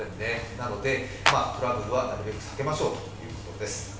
なのでトラブルはなるべく避けましょうということです。